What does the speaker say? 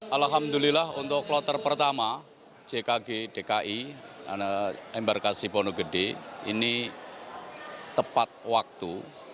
alhamdulillah untuk kloter pertama jkg dki embarkasi pono gede ini tepat waktu